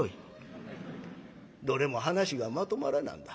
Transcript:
どれも話がまとまらなんだ。